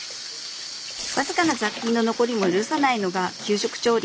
僅かな雑菌の残りも許さないのが給食調理。